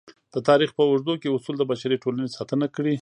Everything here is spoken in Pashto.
د تاریخ په اوږدو کې اصول د بشري ټولنې ساتنه کړې.